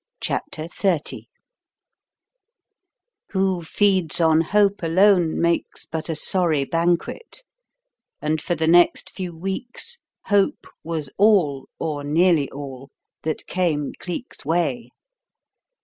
CHAPTER XXX Who feeds on Hope alone makes but a sorry banquet; and for the next few weeks Hope was all or nearly all that came Cleek's way.